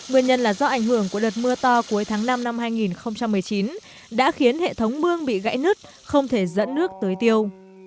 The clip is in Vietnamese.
nguyên nhân là do ảnh hưởng của đợt mưa to cuối tháng năm năm hai nghìn một mươi chín đã khiến hệ thống mương bị gãy nứt không thể dẫn nước tới tiêu